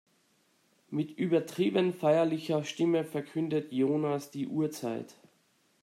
Mit übertrieben feierlicher Stimme verkündet Jonas die Uhrzeit.